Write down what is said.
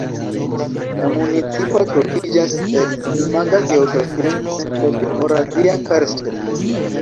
La municipo troviĝas en imaga geografia centro de Moravia karsto.